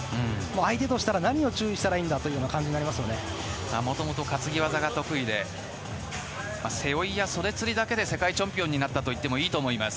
相手としたら何を注意したらいいんだというもともと担ぎ技が得意で背負いや袖釣りだけで世界チャンピオンになったといってもいいと思います。